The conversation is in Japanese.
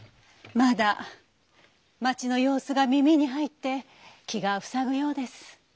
まだ町の様子が耳に入って気がふさぐようです。